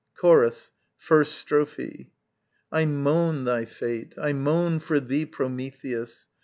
_ Chorus, 1st Strophe. I moan thy fate, I moan for thee, Prometheus!